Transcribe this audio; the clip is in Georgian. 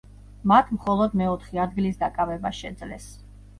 მათ მხოლოდ მეოთხე ადგილის დაკავება შეძლეს.